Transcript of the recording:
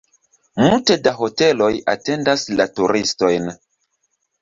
Multe da hoteloj atendas la turistojn.